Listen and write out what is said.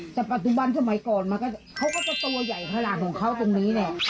แต่ปัจจุบันสมัยก่อนมาก็เขาก็จะตัวใหญ่ภาระของเขาตรงนี้เนี่ย